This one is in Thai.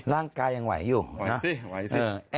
ร่างกายยังไหวอยู่นะ